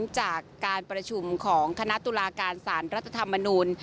จากการประชุมของคณะตุลาการสารรัฐธรรมนูล